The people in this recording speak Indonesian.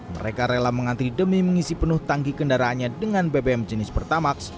mereka rela mengantri demi mengisi penuh tangki kendaraannya dengan bbm jenis pertamax